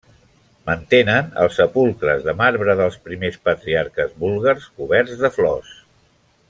Mantenen els sepulcres de marbre dels primers patriarques búlgars coberts de flors.